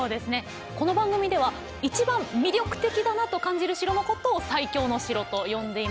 この番組では一番魅力的だなと感じる城のことを最強の城と呼んでいます。